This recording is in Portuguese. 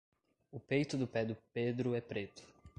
o peito do pé do pedro é preto